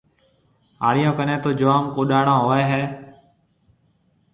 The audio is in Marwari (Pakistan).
هاڙِيون ڪنَي تو جوم ڪوڏاڙون هوئي هيَ۔